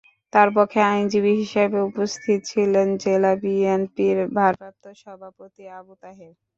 তাঁর পক্ষে আইনজীবী হিসেবে উপস্থিত ছিলেন জেলা বিএনপির ভারপ্রাপ্ত সভাপতি আবু তাহের।